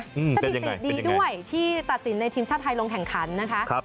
สถิติดีด้วยที่ตัดสินในทีมชาติไทยลงแข่งขันนะคะ